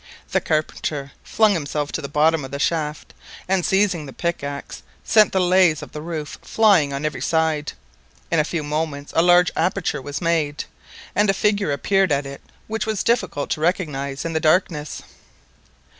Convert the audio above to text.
The carpenter flung himself to the bottom of the shaft, and seizing a pickaxe sent the laths of the roof flying on every side. In a few moments a large aperture was made, and a figure appeared at it which it was difficult to recognise in the darkness.